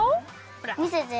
みせて。